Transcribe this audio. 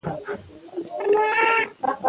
په خپلو ژمنو وفا وکړئ.